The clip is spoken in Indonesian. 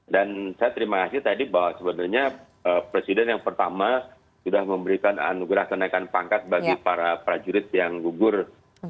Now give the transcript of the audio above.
dan saya terima kasih tadi bahwa sebenarnya presiden yang pertama sudah memberikan anugerah tenaga pangkat bagi para prajurit yang gugur di bali